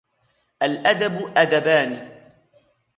الْأَدَبُ أَدَبَانِ